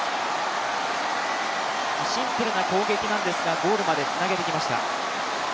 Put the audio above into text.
シンプルな攻撃なんですがゴールまでつなげてきました。